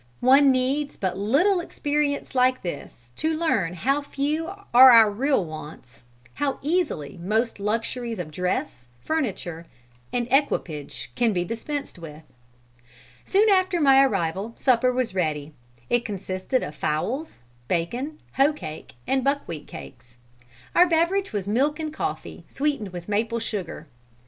One needs but little experience like this to learn how few are our real wants, how easily most luxuries of dress, furniture and equipage can be dispensed with. "Soon after my arrival supper was ready. It consisted of fowls, bacon, hoe cake and buckwheat cakes. Our beverage was milk and coffee, sweetened with maple sugar.